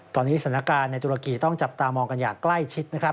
ตอนนี้สถานการณ์ในตุรกีต้องจับตามองกันอย่างใกล้ชิดนะครับ